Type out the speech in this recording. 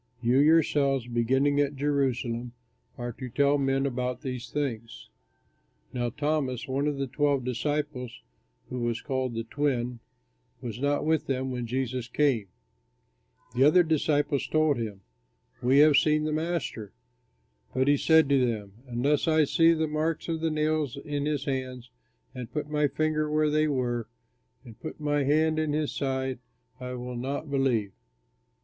You yourselves, beginning at Jerusalem, are to tell men about these things." Now Thomas, one of the twelve disciples, who was called "The Twin," was not with them when Jesus came. The other disciples told him, "We have seen the Master." But he said to them, "Unless I see the marks of the nails in his hands and put my finger where they were and put my hand in his side, I will not believe."